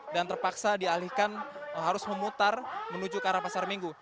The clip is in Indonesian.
dan terpaksa dialihkan harus memutar menuju ke arah pasar minggu